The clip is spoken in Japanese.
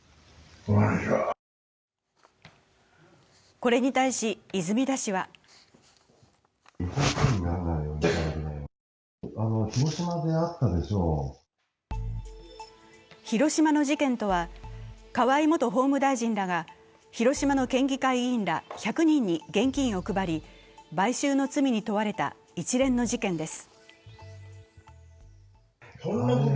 これに対し、泉田氏は広島の事件とは河井元法務大臣らが広島の県議会議員ら１００人に現金を配り買収の罪に問われた一連の事件です。